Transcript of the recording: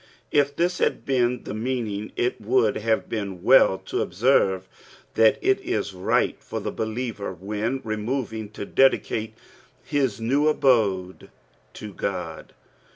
^ this had been Vie meaning, U ymiid have been meii to observe Otal it ia right for Ute bkieaer when remooing, to dedieaie his nea abode la God.